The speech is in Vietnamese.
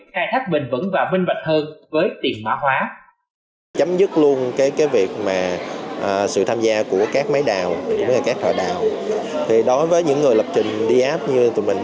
khai thác bình vẩn và vinh vảnh của đồng ethereum